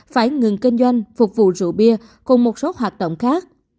phải ngừng kinh doanh phục vụ rượu bia cùng một số hoạt động khác